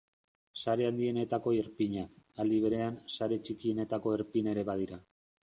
Sare handienetako erpinak, aldi berean, sare txikienetako erpin ere badira.